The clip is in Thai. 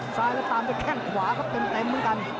ซ้ายแล้วตามไปแข้งขวาก็เต็มเหมือนกัน